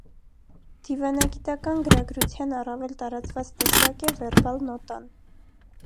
Դիվանագիտական գրագրության առավել տարածված տեսակ է վերբալ նոտան։